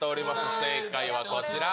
正解はこちら。